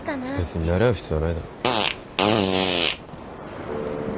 別になれ合う必要はないだろ。